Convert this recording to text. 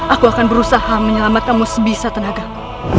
aku akan berusaha menyelamatkanmu sebisa tenagamu